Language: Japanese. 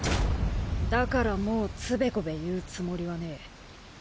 だからもうつべこべ言うつもりはねえ。